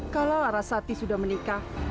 kalau nara saki sudah menikah